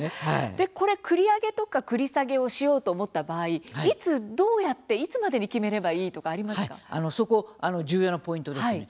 で、これ繰り上げとか繰り下げをしようと思った場合いつ、どうやっていつまでに決めればいいとかはい、そこ重要なポイントですよね。